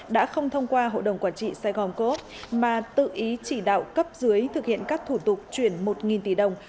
đã không thông qua hội đồng quản trị sài gòn cố mà tự ý chỉ đạo cấp dưới thực hiện các thủ tục chuyển một tỷ đồng